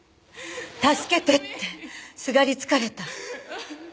助けてってすがりつかれた。